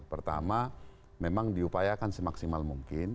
pertama memang diupayakan semaksimal mungkin